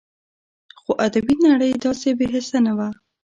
خو ادبي نړۍ داسې بې حسه نه وه